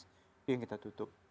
itu yang kita tutup